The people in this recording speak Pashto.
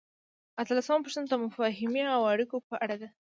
اتلسمه پوښتنه د مفاهمې او اړیکو په اړه ده.